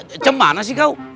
macem mana sih kau